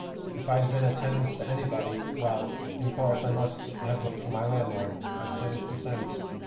If I'd been a tenant to anybody, well, in course I must have voted for my landlord that stands to sense.